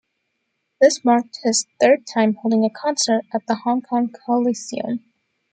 This marked his third time holding a concert at the Hong Kong Coliseum.